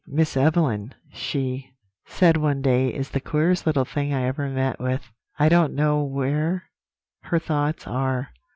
"'Miss Evelyn,' she said one day, 'is the queerest little thing I ever met with; I don't know where her thoughts are.